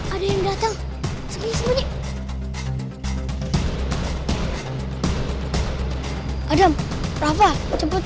aku juga apa lagi denger kamu diselamati sama dia